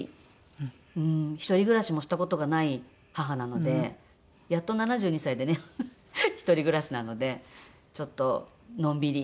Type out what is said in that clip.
一人暮らしもした事がない母なのでやっと７２歳でね一人暮らしなのでちょっとのんびり。